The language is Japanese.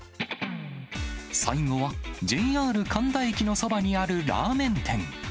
最後はＪＲ神田駅のそばにあるラーメン店。